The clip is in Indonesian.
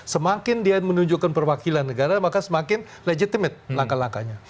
semakin dia menunjukkan perwakilan negara maka semakin legitimate langkah langkahnya